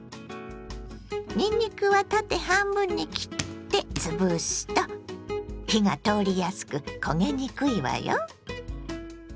にんにくは縦半分に切ってつぶすと火が通りやすく焦げにくいわよ。